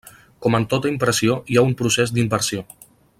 Com en tota impressió, hi ha un procés d'inversió.